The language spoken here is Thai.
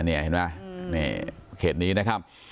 นี่เห็นไหมเขตนี้นะครับ